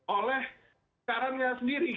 oleh karannya sendiri